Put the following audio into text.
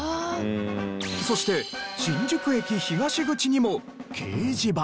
そして新宿駅東口にも掲示板。